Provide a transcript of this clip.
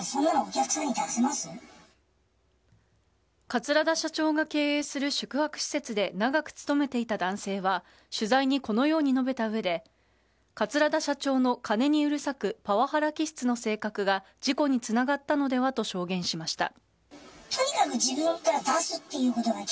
桂田社長が経営する宿泊施設で長く勤めていた男性は取材にこのように述べた上で桂田社長の金にうるさくパワハラ気質の性格が事故につながったのではと証言しました。